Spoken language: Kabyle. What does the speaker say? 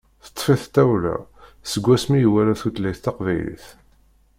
Teṭṭef-it tawla seg asmi i iwala tutlayt taqbaylit.